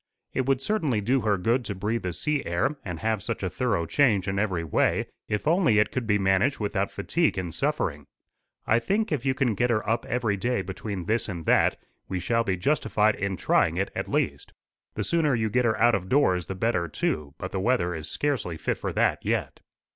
"It would certainly do her good to breathe the sea air and have such a thorough change in every way if only it could be managed without fatigue and suffering. I think, if you can get her up every day between this and that, we shall be justified in trying it at least. The sooner you get her out of doors the better too; but the weather is scarcely fit for that yet."